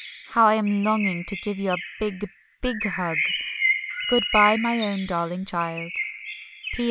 How I am longing to give you a big, big hug. Good bye, my own darling child.